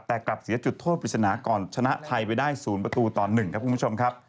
แต่กลับเสียจุดโทษปริศนาก่อนชนะไทยไปได้๐ประตูต่อ๑ครับคุณผู้ชมครับ